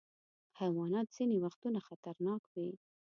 حیوانات ځینې وختونه خطرناک وي.